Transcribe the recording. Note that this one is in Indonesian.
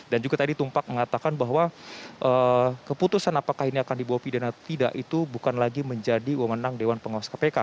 dan juga tadi tumpak mengatakan bahwa keputusan apakah ini akan dibawa pidana tidak itu bukan lagi menjadi wawanan dewan pengawas kpk